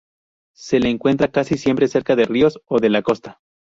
Se le encuentra casi siempre cerca de ríos o de la costa.